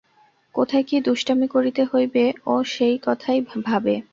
কোথায় কী দুষ্টামি করিতে হইবে, ও সেই কথাই ভাবে।